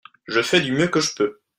Je fais du mieux que je peux.